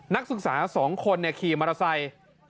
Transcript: นักศึกษา๒คนขี่มอเตอร์ไซค์